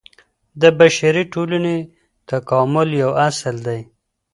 د بشري ټولني تکامل يو اصل دی.